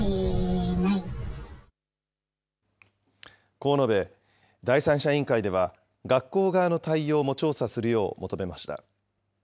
こう述べ、第三者委員会では、学校側の対応も調査するよう求めました。